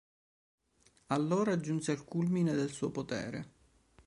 Allora giunse al culmine del suo potere.